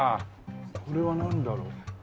これはなんだろう？